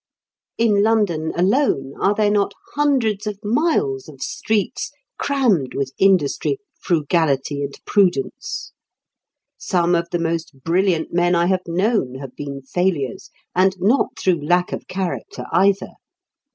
In London alone are there not hundreds of miles of streets crammed with industry, frugality, and prudence? Some of the most brilliant men I have known have been failures, and not through lack of character either.